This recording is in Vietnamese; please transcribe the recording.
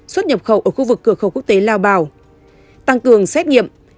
xuất nhập khẩu ở khu vực cửa khẩu quốc tế lao bảo tăng cường xét nghiệm